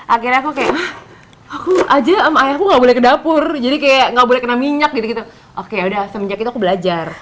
akhirnya aku kayak aku aja sama ayahku gak boleh ke dapur jadi kayak nggak boleh kena minyak gitu gitu oke udah semenjak itu aku belajar